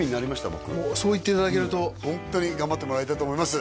僕もうそう言っていただけるとホントに頑張ってもらいたいと思います